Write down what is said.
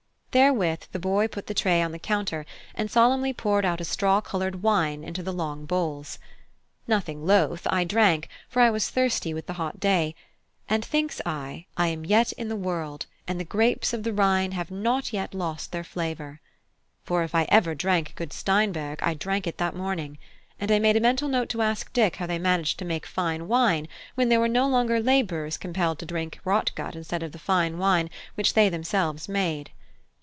Therewith the boy put the tray on the counter and solemnly poured out a straw coloured wine into the long bowls. Nothing loth, I drank, for I was thirsty with the hot day; and thinks I, I am yet in the world, and the grapes of the Rhine have not yet lost their flavour; for if ever I drank good Steinberg, I drank it that morning; and I made a mental note to ask Dick how they managed to make fine wine when there were no longer labourers compelled to drink rot gut instead of the fine wine which they themselves made.